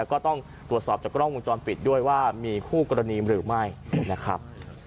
ก็ต้องตรวจสอบจากกล้องวงจรปิดด้วยว่ามีคู่กรณีหรือไม่นะครับ